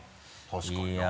確かにな。